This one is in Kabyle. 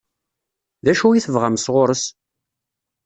D acu i tebɣam sɣur-s?